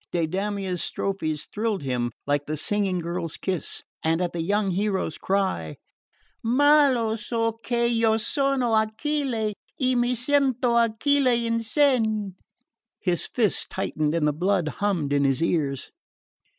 Deidamia's strophes thrilled him like the singing girl's kiss, and at the young hero's cry Ma lo so ch' io sono Achille, E mi sento Achille in sen his fists tightened and the blood hummed in his ears.